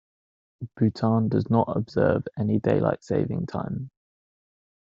Bhutan does not observe any Daylight saving time.